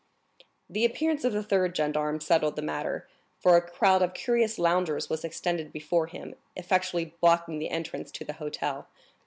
The appearance of the third gendarme settled the matter, for a crowd of curious loungers was extended before him, effectually blocking the entrance to the hotel.